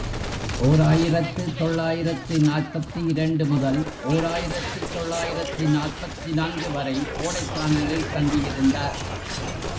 ஓர் ஆயிரத்து தொள்ளாயிரத்து நாற்பத்திரண்டு முதல் ஓர் ஆயிரத்து தொள்ளாயிரத்து நாற்பத்து நான்கு வரை கோடைக்கானலில் தங்கி யிருந்தார்.